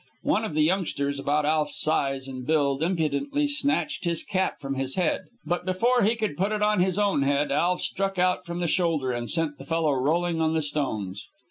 One of the youngsters, about Alf's size and build, impudently snatched his cap from his head; but before he could put it on his own head, Alf struck out from the shoulder, and sent the fellow rolling on the stones.